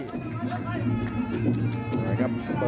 เปิดฉากเข้าคู่เลยครับอรันชัย